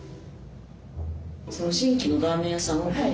新規のラーメン屋さん。